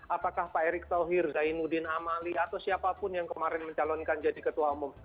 apakah pak erick thohir zainuddin amali atau siapapun yang kemarin mencalonkan jadi ketua umum